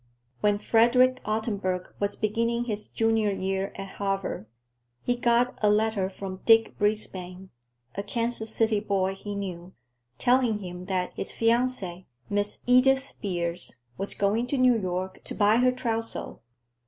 When Frederick Ottenburg was beginning his junior year at Harvard, he got a letter from Dick Brisbane, a Kansas City boy he knew, telling him that his fiancée, Miss Edith Beers, was going to New York to buy her trousseau.